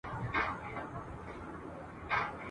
ښځو پټېږی د مرګي وار دی !.